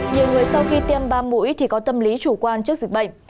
nhiều người sau khi tiêm ba mũi thì có tâm lý chủ quan trước dịch bệnh